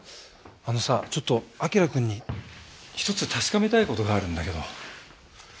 あのさちょっと輝くんに１つ確かめたい事があるんだけど。